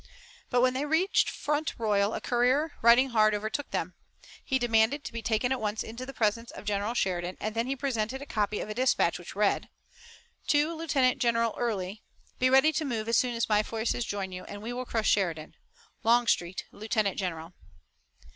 But when they reached Front Royal a courier, riding hard, overtook them. He demanded to be taken at once to the presence of General Sheridan, and then he presented a copy of a dispatch which read: To Lieutenant General Early: Be ready to move as soon as my forces join you, and we will crush Sheridan. Longstreet, Lieutenant General.